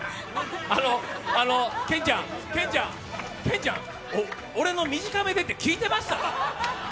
あの、健ちゃん、俺の短めでって聞いてました？